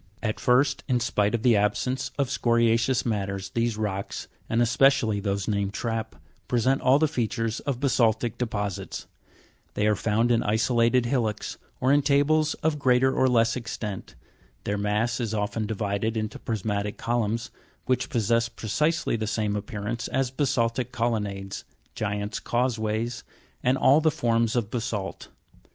16. At first, in spite of the absence of scoria'ceous matters, these rocks, and especially those named trap, present all the features of basaltic deposits ; they are found in isolated hillocks, or in tables of greater or less extent ; their mass is often divided into prismatic columns, which possess precisely the same appear ance as basaltic colonnades, giants' causeways, and all the forms of basa'lt.